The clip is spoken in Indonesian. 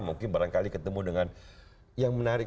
mungkin barangkali ketemu dengan yang menarik